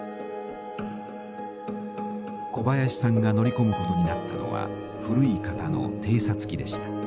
小林さんが乗り込むことになったのは古い型の偵察機でした。